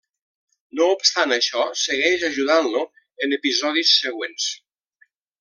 No obstant això, segueix ajudant-lo en episodis següents.